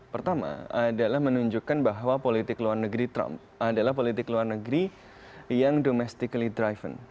pertama adalah menunjukkan bahwa politik luar negeri trump adalah politik luar negeri yang domestically driven